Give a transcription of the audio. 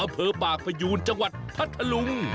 อำเภอปากพยูนจังหวัดพัทธลุง